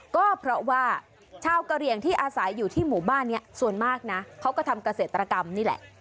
ก็เพราะว่าชาวกะเหลี่ยงที่อาศัยอยู่ที่หมู่บ้านนี้ส่วนมากนะเขาก็ทำเกษตรกรรมนี่แหละ